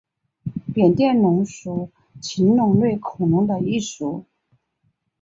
扁臀龙属是禽龙类恐龙的一属。